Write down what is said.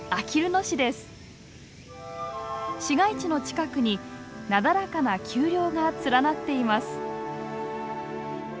市街地の近くになだらかな丘陵が連なっています。